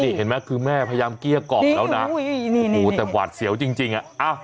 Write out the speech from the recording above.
นี่เห็นมั้ยคือแม่พยายามเกลี้ยกรอบแล้วนะแต่หวาดเสียวจริงอ่ะ